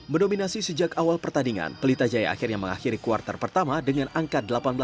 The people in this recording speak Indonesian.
mendominasi sejak awal pertandingan pelita jaya akhirnya mengakhiri kuartal pertama dengan angka delapan belas